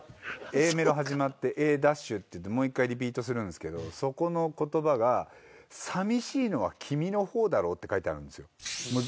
Ａメロ始まってＡダッシュってもう一回リピートするんですけどそこの言葉が「寂しいのは君の方だろう」って書いてあるんですよ。